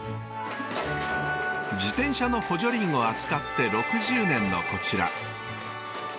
自転車の補助輪を扱って６０年のこちら。